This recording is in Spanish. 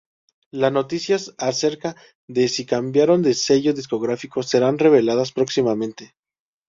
La noticias acerca de si cambiaran de sello discográfico serán reveladas próximamente.